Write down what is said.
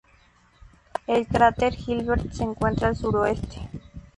El cráter Gilbert se encuentra al suroeste.